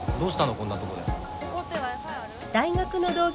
こんなとこで。